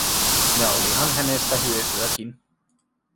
Ja olihan hänestä hyötyäkin.